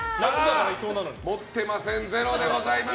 持っていませんゼロでございます。